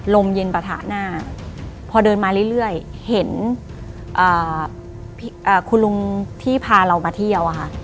ลมเย็นปะทะหน้าพอเดินมาเรื่อยเห็นคุณลุงที่พาเรามาเที่ยวอะค่ะ